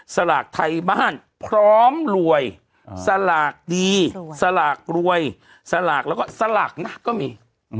สลากไทยบ้านพร้อมรวยสลากดีสลากรวยสลากแล้วก็สลากนะก็มี